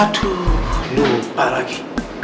aduh lupa lagi